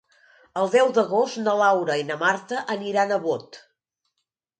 El deu d'agost na Laura i na Marta aniran a Bot.